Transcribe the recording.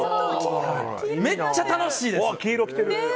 めっちゃ楽しいです。